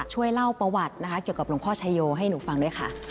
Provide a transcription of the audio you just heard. ช่วยเล่าประวัตินะคะเกี่ยวกับหลวงพ่อชายโยให้หนูฟังด้วยค่ะ